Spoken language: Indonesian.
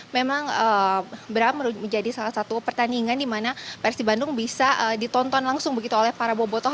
memang bram menjadi salah satu pertandingan di mana persib bandung bisa ditonton langsung begitu oleh para bobotoh